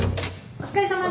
お疲れさまです。